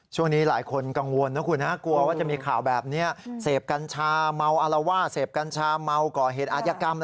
ช่วงนี้หลายคนกังวลนะคุณฮะกลัวว่าจะมีข่าวแบบนี้เสพกัญชาเมาอารวาสเสพกัญชาเมาก่อเหตุอาจยกรรม